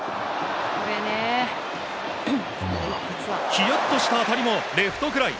ヒヤッとした当たりもレフトフライ。